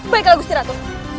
baiklah gusti ratu